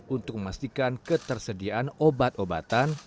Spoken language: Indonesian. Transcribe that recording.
untuk memastikan ketersediaan obat obatan